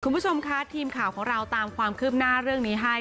คุณผู้ชมค่ะทีมข่าวของเราตามความคืบหน้าเรื่องนี้ให้